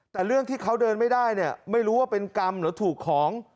แต่เรื่องที่เขาเดินไม่ได้เนี่ยไม่รู้ว่าเป็นกรรมหรือถูกของ